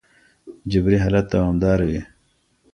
جبري حالت دوامداره وي.